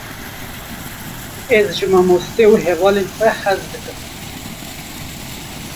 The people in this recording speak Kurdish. Ez ji mamoste û hevalên xwe hez dikim.